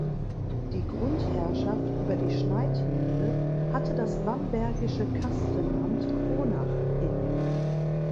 Die Grundherrschaft über die Schneidmühle hatte das bambergische Kastenamt Kronach inne.